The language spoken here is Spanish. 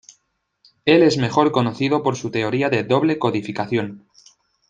Él es mejor conocido por su teoría de doble codificación.